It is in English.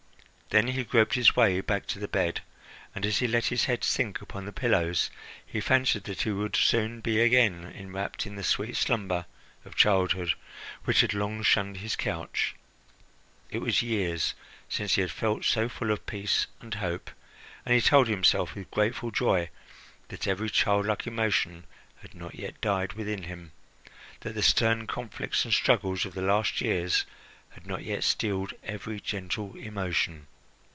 Then he groped his way back to the bed, and, as he let his head sink upon the pillows, he fancied that he would soon be again enwrapped in the sweet slumber of childhood, which had long shunned his couch. It was years since he had felt so full of peace and hope, and he told himself, with grateful joy, that every childlike emotion had not yet died within him, that the stern conflicts and struggles of the last years had not yet steeled every gentle emotion.